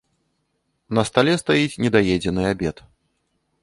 На стале стаіць недаедзены абед.